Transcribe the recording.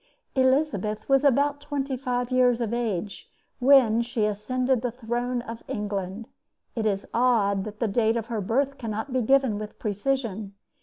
Elizabeth was about twenty five years of age when she ascended the throne of England. It is odd that the date of her birth cannot be given with precision.